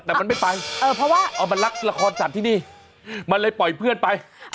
แต่มันไม่ไปเออเพราะว่ามันรักละครจัดที่นี่มันเลยปล่อยเพื่อนไป